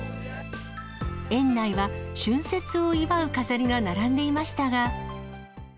園内は春節を祝う飾りが並んでいましたが。